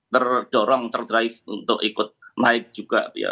terdorong terdrive untuk ikut naik juga